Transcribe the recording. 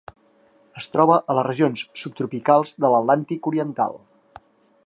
Es troba a les regions subtropicals de l'Atlàntic oriental.